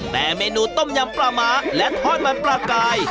แต่เมนูต้มยำปลาม้าและทอดมันปลากาย